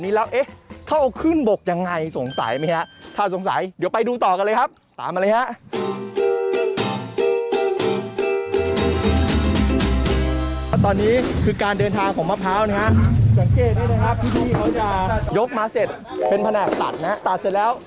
พี่พี่เขาจะยกมะเสร็จเป็นแผนกตัดนะครับตัดเสร็จแล้ว